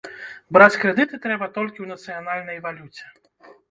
Браць крэдыты трэба толькі ў нацыянальнай валюце.